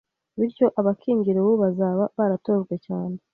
bityo abakingira ubu bazaba baratojwe cyane